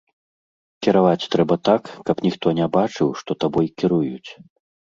Кіраваць трэба так, каб ніхто не бачыў, што табой кіруюць.